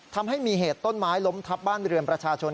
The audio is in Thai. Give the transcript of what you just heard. ทำให้มีเหตุต้นไม้ล้มทับบ้านเรือนประชาชน